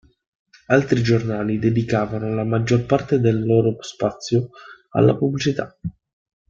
Altri giornali dedicavano la maggior parte del loro spazio alla pubblicità.